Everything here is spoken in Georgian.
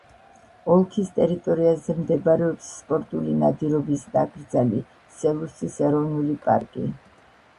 ოლქის ტერიტორიაზე მდებარეობს სპორტული ნადირობის ნაკრძალი სელუსის ეროვნული პარკი.